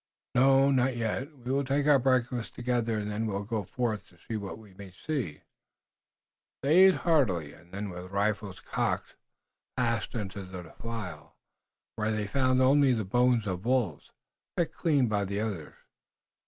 "Not yet. We will take our breakfast together, and then we will go forth to see what we may see." They ate heartily, and then with rifles cocked passed into the defile, where they found only the bones of wolves, picked clean by the others.